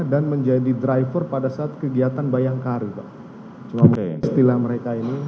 dan menjadi driver pada saat kegiatan bayangkari pak